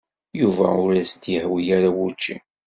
Yuba ur as-d-yehwi ara wučči.